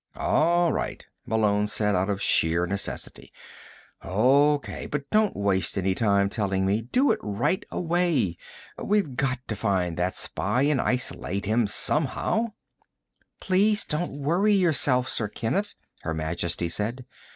"All right," Malone said, out of sheer necessity. "O.K. But don't waste any time telling me. Do it right away. We've got to find that spy and isolate him somehow." "Please don't worry yourself, Sir Kenneth," Her Majesty said.